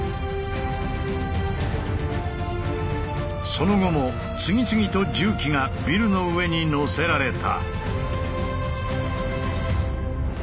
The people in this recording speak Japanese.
その後も次々と重機がビルの上にのせられた。